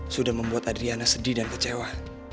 sudah membuat adriana sedih dan kecewa